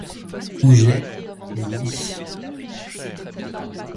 Goujet, oui!